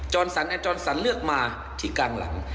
จอนสันอันจอนสันเลือกมาที่กลางหลัง